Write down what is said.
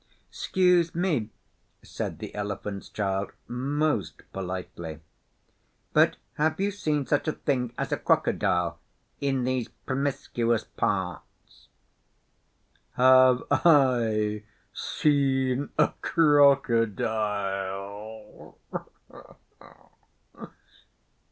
''Scuse me,' said the Elephant's Child most politely, 'but have you seen such a thing as a Crocodile in these promiscuous parts?' 'Have I seen a Crocodile?